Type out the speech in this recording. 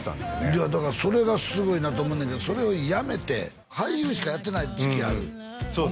いやだからそれがすごいなと思うねんけどそれをやめて俳優しかやってない時期あるそうです